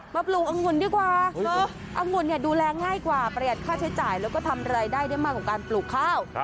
ปลูกอังุ่นดีกว่าอังุ่นดูแลง่ายกว่าประหยัดค่าใช้จ่ายแล้วก็ทำรายได้ได้มากกว่าการปลูกข้าว